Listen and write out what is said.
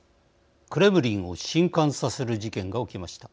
クレムリンをしんかんさせる事件が起きました。